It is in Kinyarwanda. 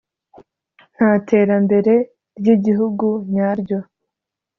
Nta terambere ry’igihugu nyaryo